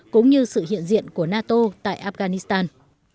cũng như sự hiện diện của nato tại afghanistan